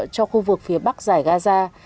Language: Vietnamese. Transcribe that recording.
cho khu vực phía bắc giải gaza